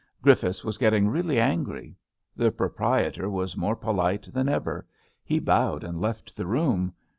*' Griffiths was getting really angry. The pro prietor was more polite than ever. He bowed and left the room.